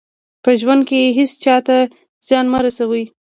په ژوند کې هېڅ چا ته زیان مه رسوئ.